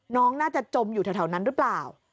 น้องน่าจะจมอยู่แถวนั้นหรือเปล่า